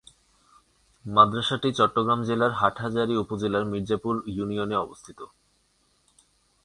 মাদ্রাসাটি চট্টগ্রাম জেলার হাটহাজারী উপজেলার মির্জাপুর ইউনিয়নে অবস্থিত।